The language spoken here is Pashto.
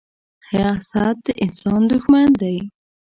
حسد د انسان دښمن دی